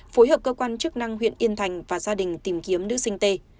phối hợp cơ quan chức năng huyện yên thành và gia đình tìm kiếm nữ sinh tê